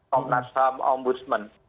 komnas ham ombudsman